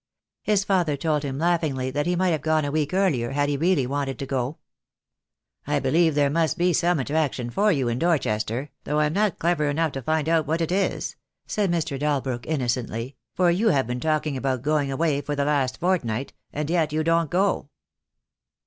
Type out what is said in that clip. His father told him laugh ingly that he might have gone a week earlier had he really wanted to go. "I believe there must be some attraction for you in Dorchester, though I am not clever enough to find out what it is," said Mr. Dalbrook, innocently, "for you have been talking about going away for the last fortnight, and yet you don't go."